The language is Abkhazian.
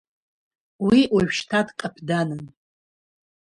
Уи ожәшьҭа дкаԥданын.